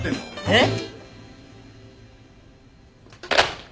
えっ？